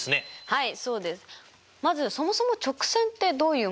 はい。